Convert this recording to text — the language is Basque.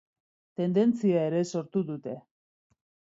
Tendentzia ere sortu dute.